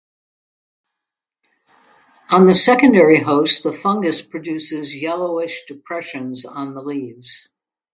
On the secondary hosts, the fungus produces yellowish depressions on the leaves.